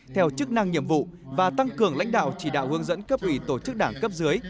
theo chức năng nhiệm vụ và tăng cường lãnh đạo chỉ đạo hướng dẫn cấp ủy tổ chức đảng cấp dưới